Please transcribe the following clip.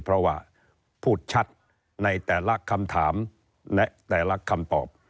เพราะว่าพูดชัดในแต่ละคำถามแต่ละคำตอบ